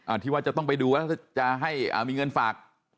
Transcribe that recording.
อ่าที่ว่าจะต้องไปดูว่าจะให้มีเงินฝาก